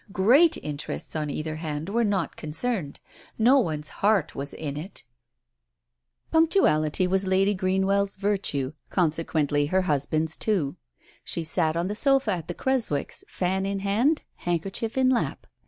Great interests on either hand were not concerned. No one's heart was in it. Punctuality was Lady Greenwell 's virtue — conse quently her husband's too. She sat on the sofa at the Creswicks', fan in hand, handkerchief in lap.